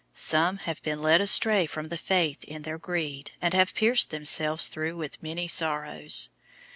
Some have been led astray from the faith in their greed, and have pierced themselves through with many sorrows.